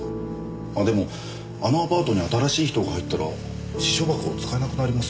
あでもあのアパートに新しい人が入ったら私書箱は使えなくなります。